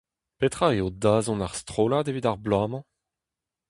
Petra eo dazont ar strollad evit ar bloaz-mañ ?